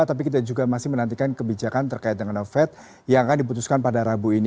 tapi kita juga masih menantikan kebijakan terkait dengan novel yang akan diputuskan pada rabu ini